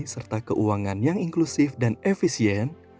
serta keuangan yang inklusif dan efisien